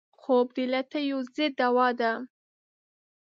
خوب د لټیو ضد دوا ده